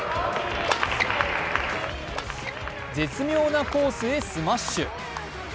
絶妙なコースへスマッシュ。